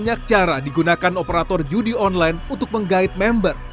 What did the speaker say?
banyak cara digunakan operator judi online untuk menggait member